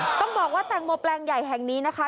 ต้องบอกว่าแตงโมแปลงใหญ่แห่งนี้นะคะ